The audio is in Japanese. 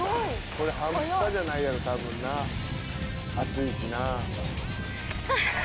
これ半端じゃないやろ多分な暑いしな。